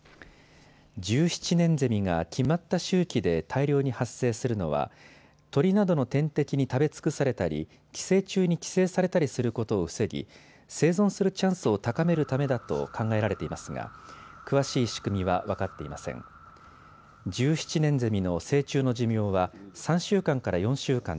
１７年ゼミが決まった周期で大量に発生するのは鳥などの天敵に食べ尽くされたり寄生虫に寄生されたりすることを防ぎ生存するチャンスを高めるためだと考えられていますが詳しい仕組みは分かっていません。